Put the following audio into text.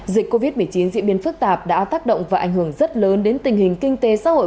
dịch covid một mươi chín diễn biến phức tạp đã tác động và ảnh hưởng rất lớn đến tình hình kinh tế xã hội